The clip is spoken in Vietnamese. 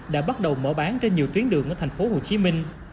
đã bắt đầu mở bán trên nhiều tuyến đường ở thành phố hồ chí minh